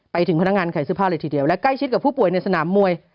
ไปถึงพนักงานขายเสื้อผ้าเลยทีเดียวและใกล้ชิดกับผู้ป่วยในสนามมวย